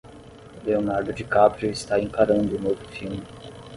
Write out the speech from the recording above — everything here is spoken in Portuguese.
Leonardo DiCaprio está encarando o novo filme.